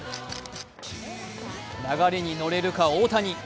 流れに乗るか、大谷。